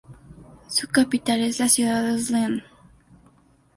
Su capital es la ciudad de Zlín.